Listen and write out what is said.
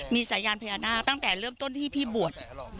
มีสายยานพญานาคตั้งแต่เริ่มต้นที่พี่บวช